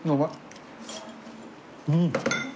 うん。